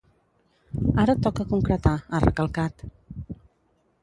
Ara toca concretar, ha recalcat.